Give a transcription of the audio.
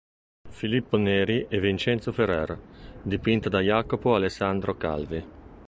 Filippo Neri e Vincenzo Ferrer" dipinta da Jacopo Alessandro Calvi.